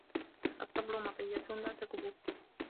الصَّبْرُ مَطِيَّةٌ لَا تَكْبُو